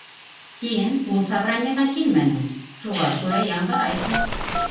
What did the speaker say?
Һин ул собраниеға килмәнең, шуға күрә яңғырайһың.